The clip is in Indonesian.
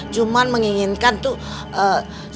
cuman menginginkan tuh ya kita berdua sama orang tua